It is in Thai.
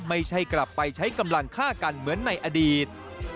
ไม่ใช่กลับไปใช้กำลังฆ่ากันเหมือนในอดีต